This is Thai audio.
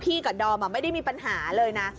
พี่กับดอร์มอ่ะไม่ได้มีปัญหาเลยน่ะ